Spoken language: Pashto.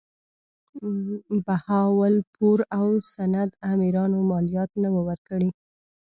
بهاولپور او سند امیرانو مالیات نه وه ورکړي.